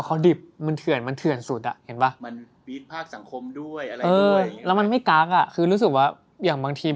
ก็พูดไปเลยถึงแบบอ่ะรัฐบาลอย่างงี้